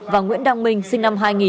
và nguyễn đăng minh sinh năm hai nghìn